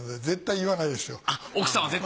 絶対言わないです。